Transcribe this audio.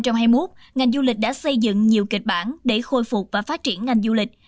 năm hai nghìn hai mươi một ngành du lịch đã xây dựng nhiều kịch bản để khôi phục và phát triển ngành du lịch